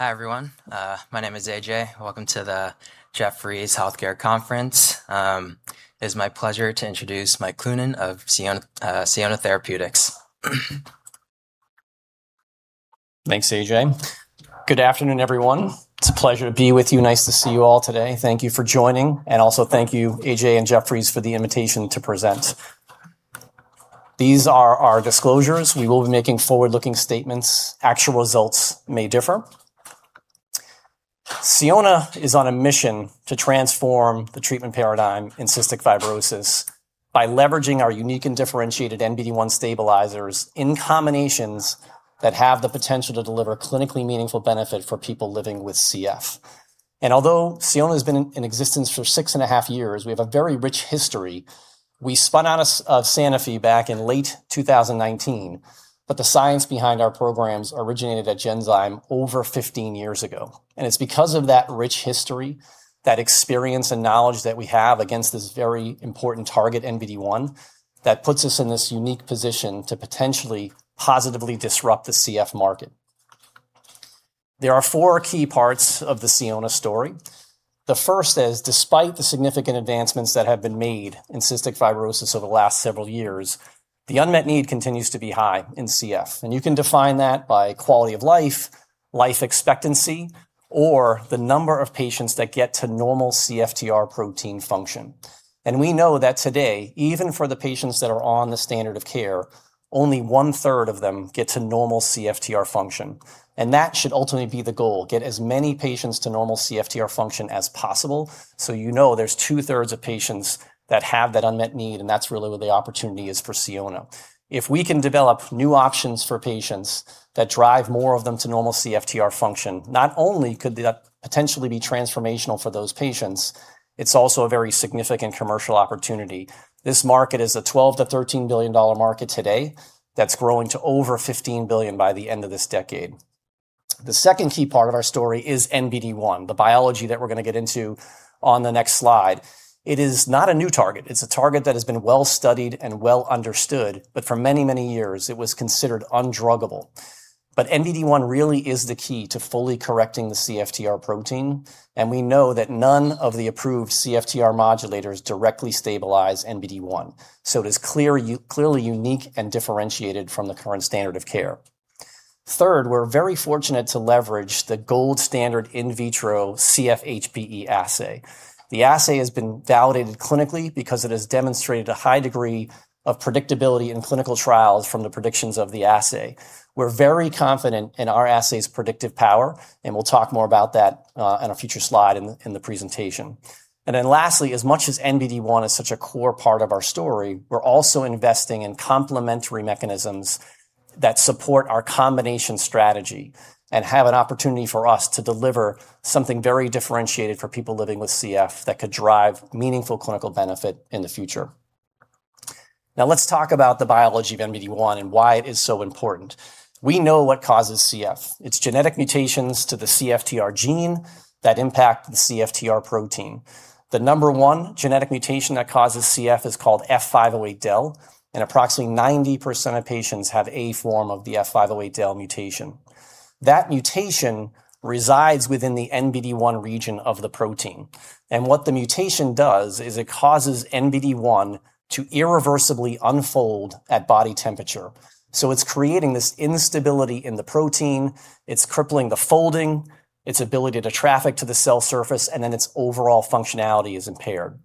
Hi, everyone. My name is AJ. Welcome to the Jefferies Healthcare Conference. It is my pleasure to introduce Mike Cloonan of Sionna Therapeutics. Thanks, AJ. Good afternoon, everyone. It's a pleasure to be with you. Nice to see you all today. Thank you for joining, and also thank you, AJ. and Jefferies, for the invitation to present. These are our disclosures. We will be making forward-looking statements. Actual results may differ. Sionna is on a mission to transform the treatment paradigm in cystic fibrosis by leveraging our unique and differentiated NBD1 stabilizers in combinations that have the potential to deliver clinically meaningful benefit for people living with CF. Although Sionna's been in existence for six and a half years, we have a very rich history. We spun out of Sanofi back in late 2019, but the science behind our programs originated at Genzyme over 15 years ago. It's because of that rich history, that experience and knowledge that we have against this very important target, NBD1, that puts us in this unique position to potentially positively disrupt the CF market. There are four key parts of the Sionna story. The first is, despite the significant advancements that have been made in cystic fibrosis over the last several years, the unmet need continues to be high in CF. You can define that by quality of life expectancy, or the number of patients that get to normal CFTR protein function. We know that today, even for the patients that are on the standard of care, only one-third of them get to normal CFTR function. That should ultimately be the goal, get as many patients to normal CFTR function as possible. You know there's 2/3 of patients that have that unmet need, and that's really where the opportunity is for Sionna. If we can develop new options for patients that drive more of them to normal CFTR function, not only could that potentially be transformational for those patients, it's also a very significant commercial opportunity. This market is a $12 billion-$13 billion market today that's growing to over $15 billion by the end of this decade. The second key part of our story is NBD1, the biology that we're going to get into on the next slide. It is not a new target. It's a target that has been well-studied and well-understood, but for many years, it was considered undruggable. NBD1 really is the key to fully correcting the CFTR protein, and we know that none of the approved CFTR modulators directly stabilize NBD1. It is clearly unique and differentiated from the current standard of care. Third, we're very fortunate to leverage the gold standard in vitro CFHBE assay. The assay has been validated clinically because it has demonstrated a high degree of predictability in clinical trials from the predictions of the assay. We're very confident in our assay's predictive power, and we'll talk more about that in a future slide in the presentation. Lastly, as much as NBD1 is such a core part of our story, we're also investing in complementary mechanisms that support our combination strategy and have an opportunity for us to deliver something very differentiated for people living with CF that could drive meaningful clinical benefit in the future. Now, let's talk about the biology of NBD1 and why it is so important. We know what causes CF. It's genetic mutations to the CFTR gene that impact the CFTR protein. The number one genetic mutation that causes CF is called F508del, and approximately 90% of patients have a form of the F508del mutation. That mutation resides within the NBD1 region of the protein. What the mutation does is it causes NBD1 to irreversibly unfold at body temperature. It's creating this instability in the protein. It's crippling the folding, its ability to traffic to the cell surface, its overall functionality is impaired.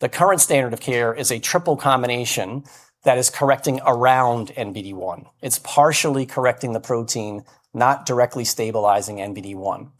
The current standard of care is a triple combination that is correcting around NBD1. It's partially correcting the protein, not directly stabilizing NBD1.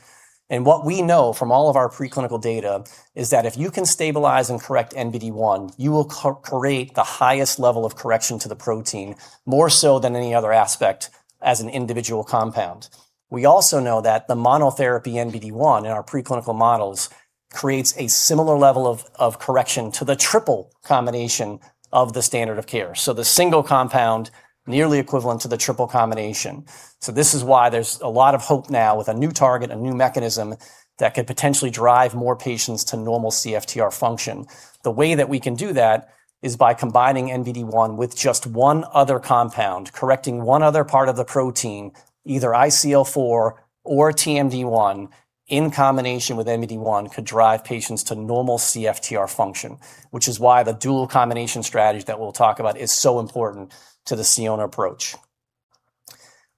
What we know from all of our preclinical data is that if you can stabilize and correct NBD1, you will create the highest level of correction to the protein, more so than any other aspect as an individual compound. We also know that the monotherapy NBD1 in our preclinical models creates a similar level of correction to the triple combination of the standard of care. The single compound, nearly equivalent to the triple combination. This is why there's a lot of hope now with a new target, a new mechanism that could potentially drive more patients to normal CFTR function. The way that we can do that is by combining NBD1 with just one other compound, correcting one other part of the protein, either ICL4 or TMD1 in combination with NBD1 could drive patients to normal CFTR function, which is why the dual combination strategy that we'll talk about is so important to the Sionna approach.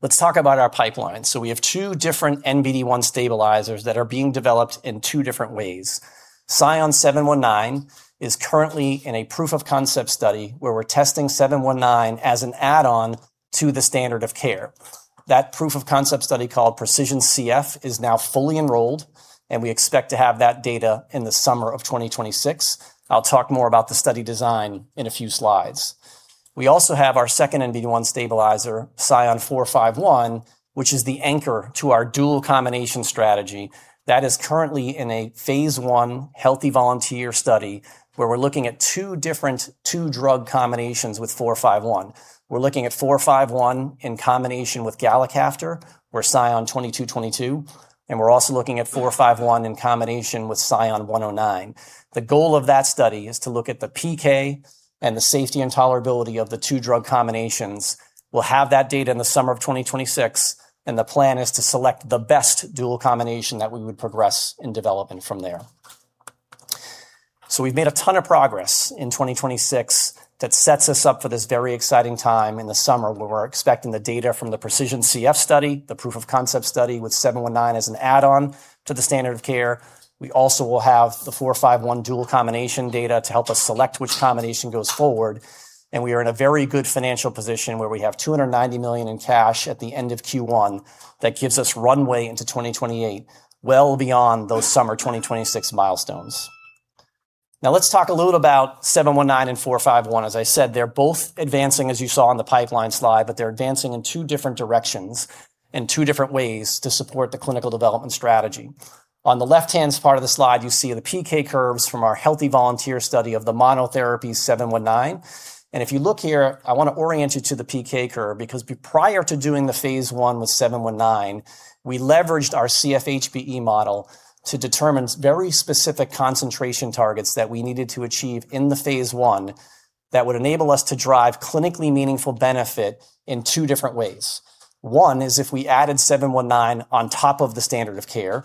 Let's talk about our pipeline. We have two different NBD1 stabilizers that are being developed in two different ways. SION-719 is currently in a proof-of-concept study where we're testing 719 as an add-on to the standard of care. That proof-of-concept study called PreciSION CF is now fully enrolled, and we expect to have that data in the summer of 2026. I'll talk more about the study design in a few slides. We also have our second NBD1 stabilizer, SION-451, which is the anchor to our dual combination strategy. That is currently in a phase I healthy volunteer study where we're looking at two different two-drug combinations with 451. We're looking at 451 in combination with galicaftor or SION-2222, and we're also looking at 451 in combination with SION-109. The goal of that study is to look at the PK and the safety and tolerability of the two-drug combinations. We'll have that data in the summer of 2026, and the plan is to select the best dual combination that we would progress in developing from there. We've made a ton of progress in 2026 that sets us up for this very exciting time in the summer where we're expecting the data from the PreciSION CF study, the proof of concept study with 719 as an add-on to the standard of care. We also will have the 451 dual combination data to help us select which combination goes forward, and we are in a very good financial position where we have $290 million in cash at the end of Q1. That gives us runway into 2028, well beyond those summer 2026 milestones. Now let's talk a little about 719 and 451. As I said, they're both advancing, as you saw on the pipeline slide, but they're advancing in two different directions, in two different ways to support the clinical development strategy. On the left-hand part of the slide, you see the PK curves from our healthy volunteer study of the monotherapy 719. If you look here, I want to orient you to the PK curve, because prior to doing the phase I with 719, we leveraged our CFHBE model to determine very specific concentration targets that we needed to achieve in the phase I that would enable us to drive clinically meaningful benefit in two different ways. One is if we added 719 on top of the standard of care.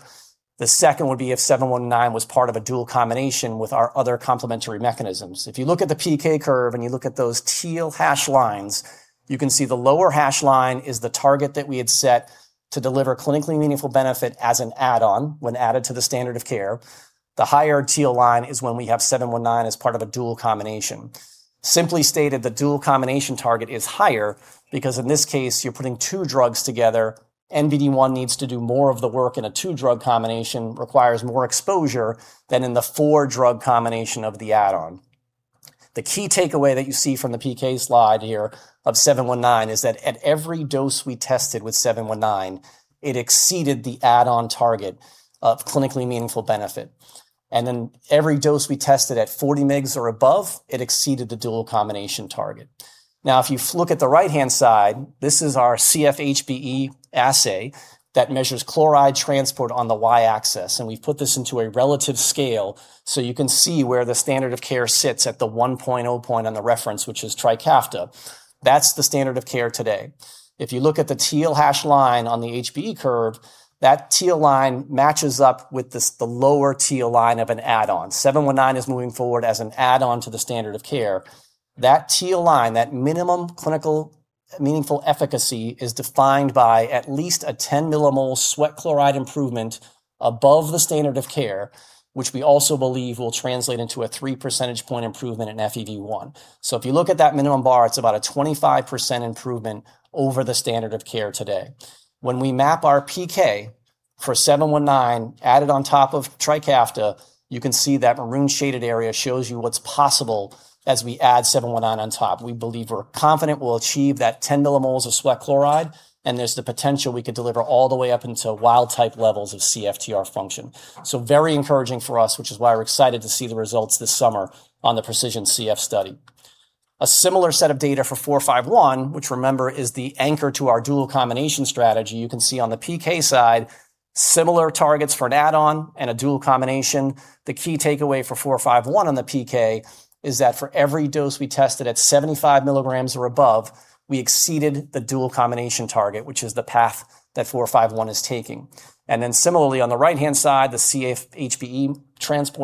The second would be if 719 was part of a dual combination with our other complementary mechanisms. If you look at the PK curve and you look at those teal hash lines, you can see the lower hash line is the target that we had set to deliver clinically meaningful benefit as an add-on when added to the standard of care. The higher teal line is when we have 719 as part of a dual combination. Simply stated, the dual combination target is higher because in this case, you're putting two drugs together. NBD1 needs to do more of the work in a two-drug combination, requires more exposure than in the four-drug combination of the add-on. The key takeaway that you see from the PK slide here of 719 is that at every dose we tested with 719, it exceeded the add-on target of clinically meaningful benefit. Every dose we tested at 40 mgs or above, it exceeded the dual combination target. Now, if you look at the right-hand side, this is our CFHBE assay that measures chloride transport on the Y-axis, and we've put this into a relative scale so you can see where the standard of care sits at the 1.0 point on the reference, which is Trikafta. That's the standard of care today. If you look at the teal hash line on the HBE curve, that teal line matches up with the lower teal line of an add-on. 719 is moving forward as an add-on to the standard of care. That teal line, that minimum clinical meaningful efficacy, is defined by at least a 10 millimole sweat chloride improvement above the standard of care, which we also believe will translate into a three percentage point improvement in FEV1. If you look at that minimum bar, it's about a 25% improvement over the standard of care today. When we map our PK for 719 added on top of Trikafta, you can see that maroon shaded area shows you what's possible as we add 719 on top. We believe we're confident we'll achieve that 10 millimoles of sweat chloride, and there's the potential we could deliver all the way up into wild-type levels of CFTR function. Very encouraging for us, which is why we're excited to see the results this summer on the PreciSION CF study. A similar set of data for 451, which remember, is the anchor to our dual combination strategy. You can see on the PK side, similar targets for an add-on and a dual combination. The key takeaway for 451 on the PK is that for every dose we tested at 75 mg or above, we exceeded the dual combination target, which is the path that 451 is taking. Similarly, on the right-hand side, the CFHBE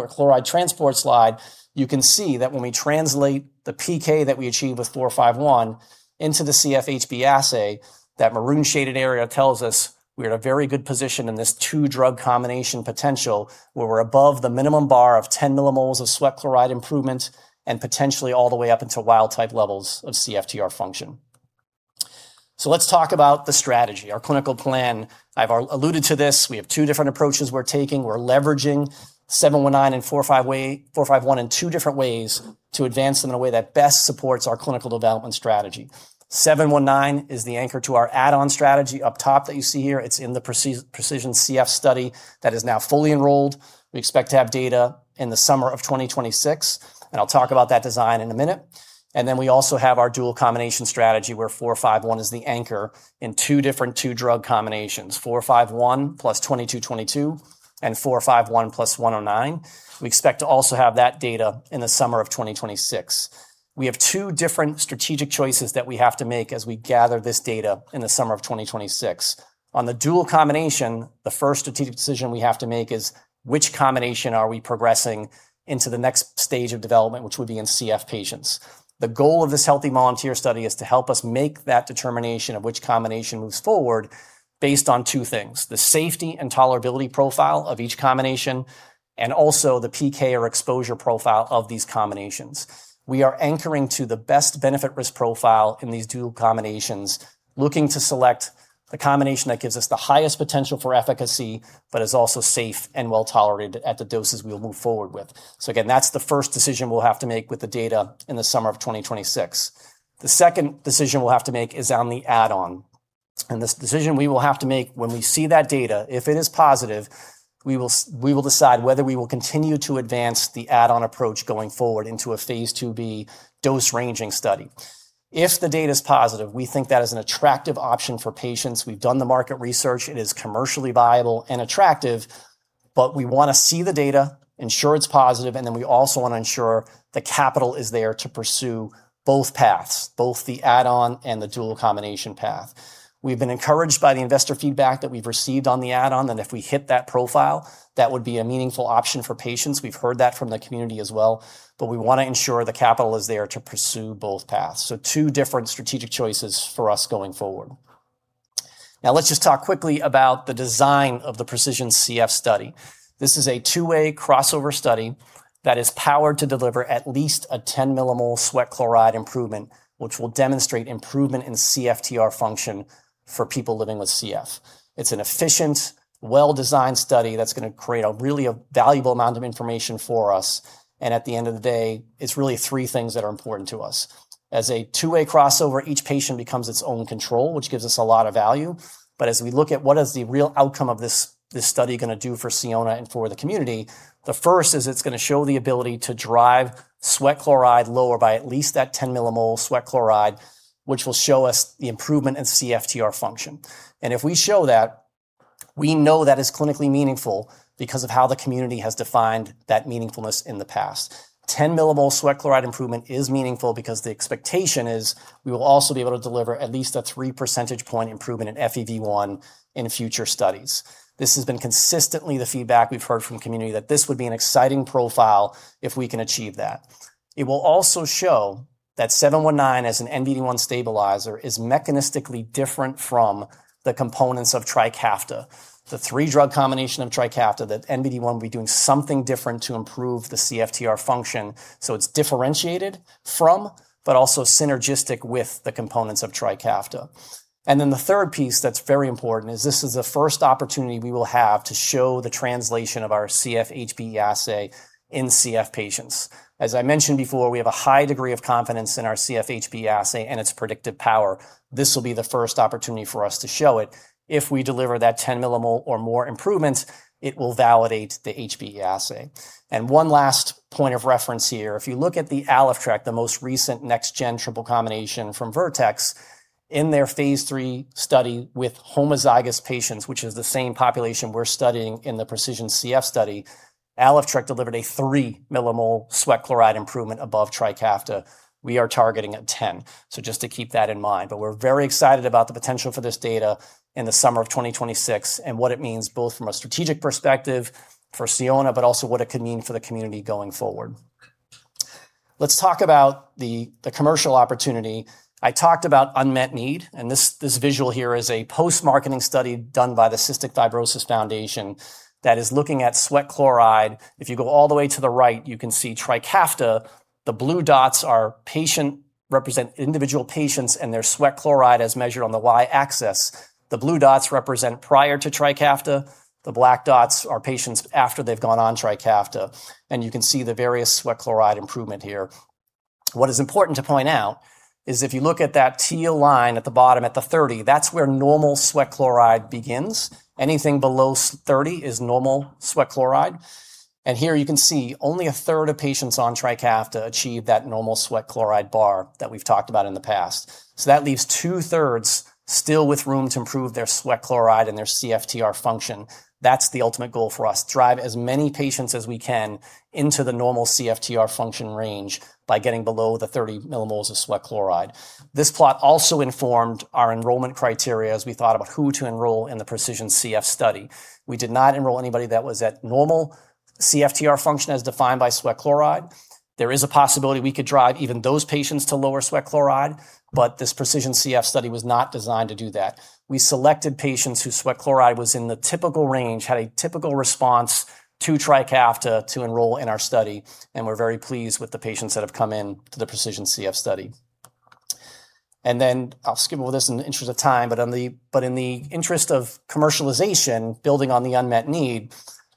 chloride transport slide, you can see that when we translate the PK that we achieve with 451 into the CFHBE assay, that maroon shaded area tells us we're in a very good position in this two-drug combination potential where we're above the minimum bar of 10 millimoles of sweat chloride improvement, and potentially all the way up into wild-type levels of CFTR function. Let's talk about the strategy, our clinical plan. I've alluded to this. We have two different approaches we're taking. We're leveraging 719 and 451 in two different ways to advance them in a way that best supports our clinical development strategy. 719 is the anchor to our add-on strategy up top that you see here. It's in the PreciSION CF study that is now fully enrolled. We expect to have data in the summer of 2026. I'll talk about that design in a minute. We also have our dual combination strategy, where 451 is the anchor in two different two-drug combinations, 451 plus 2222, and 451 plus 109. We expect to also have that data in the summer of 2026. We have two different strategic choices that we have to make as we gather this data in the summer of 2026. On the dual combination, the first strategic decision we have to make is which combination are we progressing into the next stage of development, which would be in CF patients. The goal of this healthy volunteer study is to help us make that determination of which combination moves forward based on two things, the safety and tolerability profile of each combination, and also the PK or exposure profile of these combinations. We are anchoring to the best benefit risk profile in these dual combinations, looking to select the combination that gives us the highest potential for efficacy but is also safe and well-tolerated at the doses we'll move forward with. Again, that's the first decision we'll have to make with the data in the summer of 2026. The second decision we'll have to make is on the add-on, and this decision we will have to make when we see that data. If it is positive, we will decide whether we will continue to advance the add-on approach going forward into a phase II-B dose-ranging study. If the data's positive, we think that is an attractive option for patients. We've done the market research. It is commercially viable and attractive. We want to see the data, ensure it's positive, and then we also want to ensure the capital is there to pursue both paths, both the add-on and the dual combination path. We've been encouraged by the investor feedback that we've received on the add-on, that if we hit that profile, that would be a meaningful option for patients. We've heard that from the community as well. We want to ensure the capital is there to pursue both paths. Two different strategic choices for us going forward. Now let's just talk quickly about the design of the PreciSION CF study. This is a two-way crossover study that is powered to deliver at least a 10 millimole sweat chloride improvement, which will demonstrate improvement in CFTR function for people living with CF. It's an efficient, well-designed study that's going to create a really valuable amount of information for us. At the end of the day, it's really three things that are important to us. As a two-way crossover, each patient becomes its own control, which gives us a lot of value. As we look at what is the real outcome of this study going to do for Sionna and for the community, the first is it's going to show the ability to drive sweat chloride lower by at least that 10 millimole sweat chloride, which will show us the improvement in CFTR function. If we show that, we know that is clinically meaningful because of how the community has defined that meaningfulness in the past. 10 millimole sweat chloride improvement is meaningful because the expectation is we will also be able to deliver at least a three percentage point improvement in FEV1 in future studies. This has been consistently the feedback we've heard from community that this would be an exciting profile if we can achieve that. It will also show that SION-719 as an NBD1 stabilizer is mechanistically different from the components of Trikafta, the three drug combination of Trikafta, that NBD1 will be doing something different to improve the CFTR function. It's differentiated from, but also synergistic with the components of Trikafta. The third piece that's very important is this is the first opportunity we will have to show the translation of our CFHBE assay in CF patients. As I mentioned before, we have a high degree of confidence in our CFHBE assay and its predictive power. This will be the first opportunity for us to show it. If we deliver that 10 millimole or more improvement, it will validate the CFHBE assay. One last point of reference here. If you look at the ALYFTREK, the most recent next gen triple combination from Vertex, in their phase III study with homozygous patients, which is the same population we're studying in the PreciSION CF study, ALYFTREK delivered a three millimole sweat chloride improvement above Trikafta. We are targeting a 10. Just to keep that in mind. We're very excited about the potential for this data in the summer of 2026 and what it means both from a strategic perspective for Sionna, but also what it could mean for the community going forward. Let's talk about the commercial opportunity. I talked about unmet need. This visual here is a post-marketing study done by the Cystic Fibrosis Foundation that is looking at sweat chloride. If you go all the way to the right, you can see Trikafta. The blue dots represent individual patients and their sweat chloride as measured on the Y-axis. The blue dots represent prior to Trikafta. The black dots are patients after they've gone on Trikafta. You can see the various sweat chloride improvement here. What is important to point out is if you look at that teal line at the bottom at the 30, that's where normal sweat chloride begins. Anything below 30 is normal sweat chloride. Here you can see only a third of patients on Trikafta achieve that normal sweat chloride bar that we've talked about in the past. That leaves two-thirds still with room to improve their sweat chloride and their CFTR function. That's the ultimate goal for us, drive as many patients as we can into the normal CFTR function range by getting below the 30 millimoles of sweat chloride. This plot also informed our enrollment criteria as we thought about who to enroll in the PreciSION CF study. We did not enroll anybody that was at normal CFTR function as defined by sweat chloride. There is a possibility we could drive even those patients to lower sweat chloride, but this PreciSION CF study was not designed to do that. We selected patients whose sweat chloride was in the typical range, had a typical response to Trikafta to enroll in our study, and we're very pleased with the patients that have come in to the PreciSION CF study. I'll skip over this in the interest of time, but in the interest of commercialization, building on the unmet need,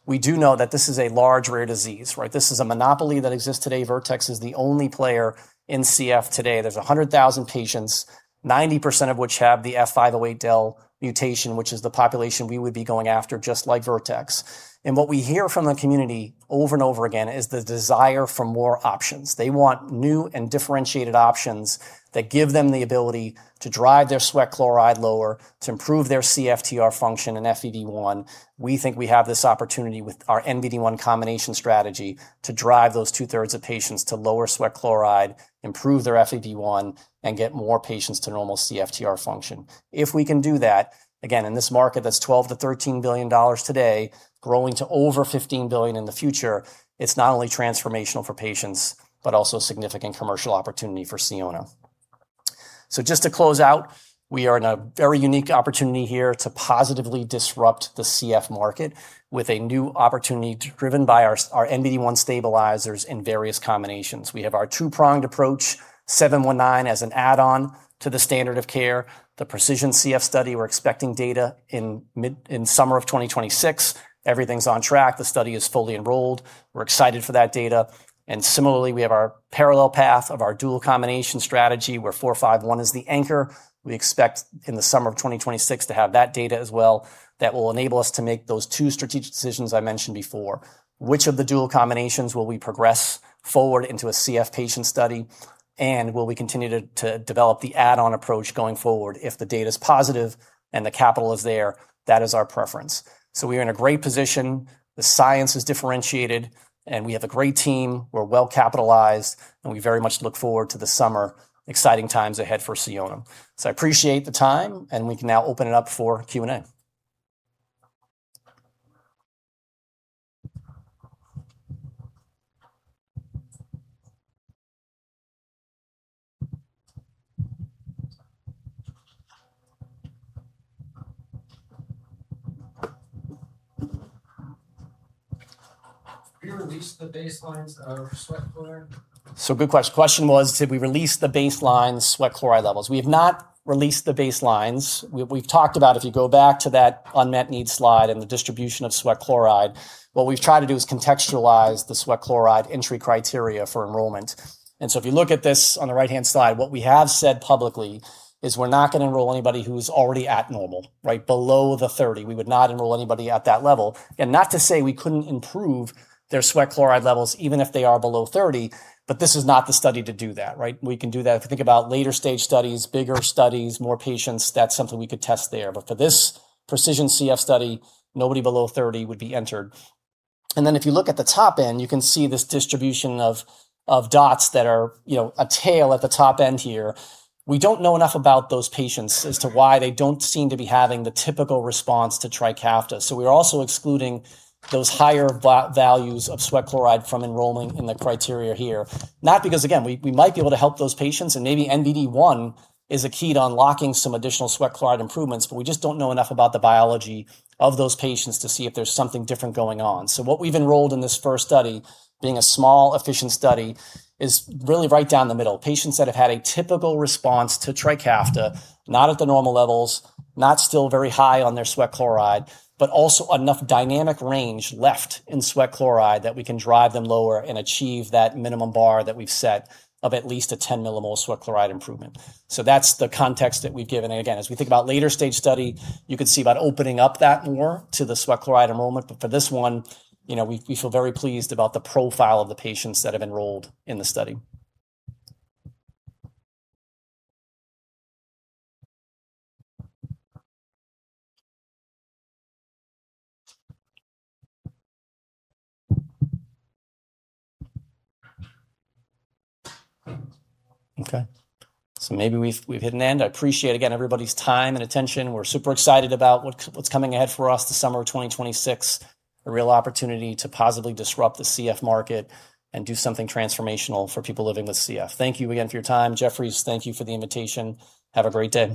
we do know that this is a large, rare disease, right? This is a monopoly that exists today. Vertex is the only player in CF today. There's 100,000 patients, 90% of which have the F508del mutation, which is the population we would be going after, just like Vertex. What we hear from the community over and over again is the desire for more options. They want new and differentiated options that give them the ability to drive their sweat chloride lower, to improve their CFTR function in FEV1. We think we have this opportunity with our NBD1 combination strategy to drive those two-thirds of patients to lower sweat chloride, improve their FEV1, and get more patients to normal CFTR function. If we can do that, again, in this market that's $12 billion-$13 billion today, growing to over $15 billion in the future, it's not only transformational for patients but also a significant commercial opportunity for Sionna. Just to close out, we are in a very unique opportunity here to positively disrupt the CF market with a new opportunity driven by our NBD1 stabilizers in various combinations. We have our two-pronged approach, 719 as an add-on to the standard of care. The PreciSION CF study, we're expecting data in summer of 2026. Everything's on track. The study is fully enrolled. We're excited for that data. Similarly, we have our parallel path of our dual combination strategy where 451 is the anchor. We expect in the summer of 2026 to have that data as well. That will enable us to make those two strategic decisions I mentioned before. Which of the dual combinations will we progress forward into a CF patient study, and will we continue to develop the add-on approach going forward if the data's positive and the capital is there? That is our preference. We are in a great position. The science is differentiated, and we have a great team. We're well-capitalized, and we very much look forward to the summer. Exciting times ahead for Sionna. I appreciate the time, and we can now open it up for Q&A. Have you released the baselines of sweat chloride? Good question. Question was, did we release the baseline sweat chloride levels? We have not released the baselines. We've talked about, if you go back to that unmet need slide and the distribution of sweat chloride, what we've tried to do is contextualize the sweat chloride entry criteria for enrollment. If you look at this on the right-hand side, what we have said publicly is we're not going to enroll anybody who is already at normal, right below the 30. We would not enroll anybody at that level. Again, not to say we couldn't improve their sweat chloride levels even if they are below 30, but this is not the study to do that, right? We can do that if you think about later-stage studies, bigger studies, more patients. That's something we could test there. For this PreciSION CF study, nobody below 30 would be entered. If you look at the top end, you can see this distribution of dots that are a tail at the top end here. We don't know enough about those patients as to why they don't seem to be having the typical response to Trikafta. We're also excluding those higher values of sweat chloride from enrolling in the criteria here. Not because, again, we might be able to help those patients, and maybe NBD1 is a key to unlocking some additional sweat chloride improvements, but we just don't know enough about the biology of those patients to see if there's something different going on. What we've enrolled in this first study, being a small, efficient study, is really right down the middle. Patients that have had a typical response to Trikafta, not at the normal levels, not still very high on their sweat chloride, but also enough dynamic range left in sweat chloride that we can drive them lower and achieve that minimum bar that we've set of at least a 10 millimole sweat chloride improvement. That's the context that we've given. Again, as we think about later-stage study, you could see about opening up that more to the sweat chloride enrollment. For this one, we feel very pleased about the profile of the patients that have enrolled in the study. Okay, maybe we've hit an end. I appreciate, again, everybody's time and attention. We're super excited about what's coming ahead for us this summer of 2026. A real opportunity to positively disrupt the CF market and do something transformational for people living with CF. Thank you again for your time. Jefferies, thank you for the invitation. Have a great day.